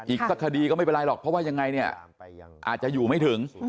อีกสักคดีก็ไม่เป็นไรหรอกเพราะว่ายังไงเนี่ยอาจจะอยู่ไม่ถึง